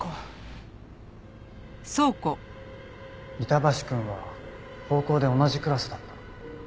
板橋くんは高校で同じクラスだったの。